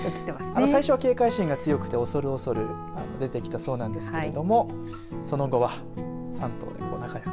最初は警戒心が強くて恐る恐る出てきたそうなんですけれどもはい。